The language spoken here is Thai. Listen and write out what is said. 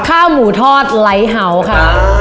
ข้าวหมูทอดไลท์เฮาส์ค่ะ